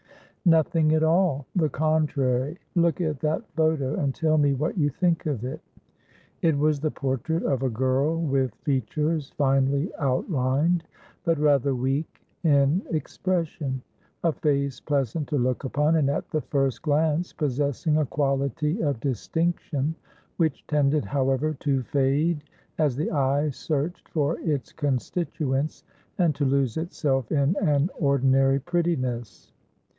"Nothing at all. The contrary. Look at that photo, and tell me what you think of it." It was the portrait of a girl with features finely outlined, but rather weak in expression; a face pleasant to look upon, and at the first glance possessing a quality of distinction, which tended however to fade as the eye searched for its constituents, and to lose itself in an ordinary prettiness.